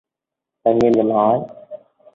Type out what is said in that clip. Nên Nghiêm giọng hỏi